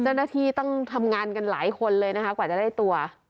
เจ้าหน้าที่ต้องทำงานกันหลายคนเลยนะคะกว่าจะได้ตัว